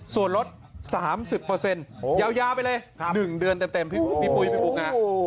ส่วนลด๓๐เปอร์เซ็นต์ยาวไปเลย๑เดือนเต็มพี่ปุ๊ยพี่ปุ๊กอ่ะ